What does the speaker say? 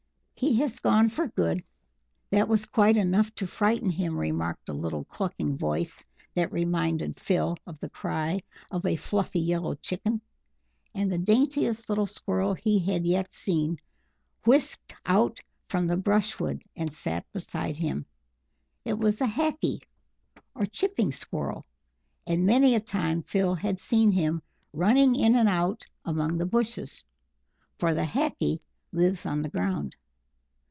"He has gone for good that was quite enough to frighten him," remarked a little clucking voice that reminded Phil of the cry of a fluffy yellow chicken; and the daintiest little Squirrel he had yet seen whisked out from the brushwood and sat beside him. It was the Hackee, or Chipping Squirrel, and many a time Phil had seen him running in and out among the bushes; for the Hackee lives on the ground.